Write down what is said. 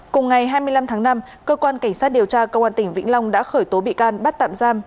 cùng ngày hai mươi năm tháng năm cơ quan cảnh sát điều tra công an tỉnh vĩnh long đã khởi tố bị can bắt tạm giam